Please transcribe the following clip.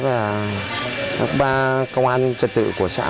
các ba công an trật tự